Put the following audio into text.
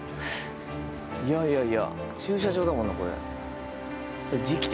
いやいやいや。